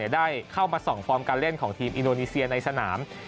ได้เข้ามาส่องฟอร์มการเล่นของทีมอินโดนีเซียในสนาม